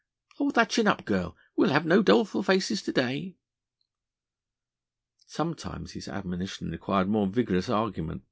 Hold thy chin up girl, we'll have no doleful faces to day." Sometimes his admonition required more vigorous argument.